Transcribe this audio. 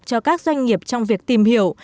cho các doanh nghiệp trong việc tìm hiểu